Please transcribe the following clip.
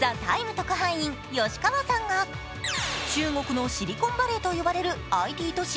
特派員、吉川さんが中国のシリコンバレーと呼ばれるＩＴ都市